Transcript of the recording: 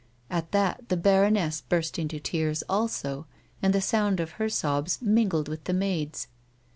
At that the baroness burst into tears also, and the sound of her sobs mingled with the maid's.